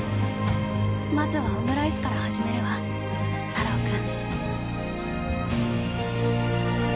まずはオムライスから始めるわ太朗君。